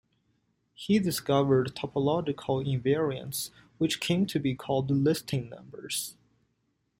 He discovered topological invariants which came to be called Listing numbers.